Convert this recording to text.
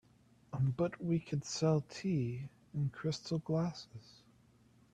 But we could sell tea in crystal glasses.